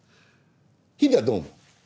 ヒデはどう思う？